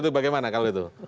itu bagaimana kalau itu